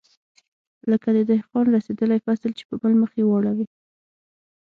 لکه د دهقان رسېدلى فصل چې په بل مخ يې واړوې.